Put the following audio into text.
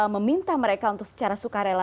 meminta mereka untuk secara sukarela